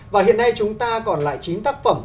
và hiện nay chúng ta còn lại chín tác phẩm